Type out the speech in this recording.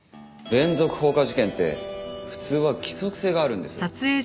連続放火事件って普通は規則性があるんです。